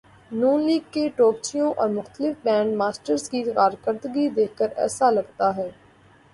ن لیگ کے توپچیوں اور مختلف بینڈ ماسٹرز کی کارکردگی دیکھ کر ایسا لگتا ہے۔